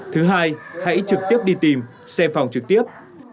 thứ hai hãy trực tiếp đi tìm xem phòng trực tiếp